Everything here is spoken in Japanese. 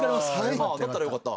だったらよかった。